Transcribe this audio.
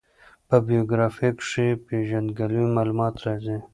په بېوګرافي کښي د پېژندګلوي معلومات راځي.